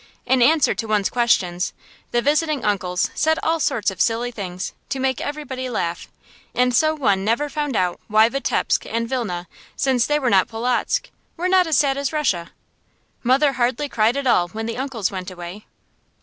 In answer to one's questions, the visiting uncles said all sorts of silly things, to make everybody laugh; and so one never found out why Vitebsk and Vilna, since they were not Polotzk, were not as sad as Russia. Mother hardly cried at all when the uncles went away.